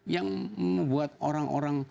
yang membuat orang orang